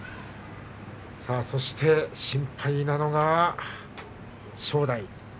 そして心配なのが正代。